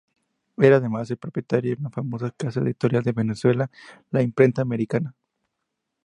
Era además el propietario de una famosa casa editorial de Venezuela, la Imprenta Americana.